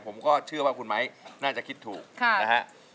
ผมก็เชื่อว่าคุณไม้น่าจะคิดถูกนะฮะ